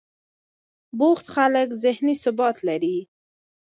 بوخت خلک ذهني ثبات لري.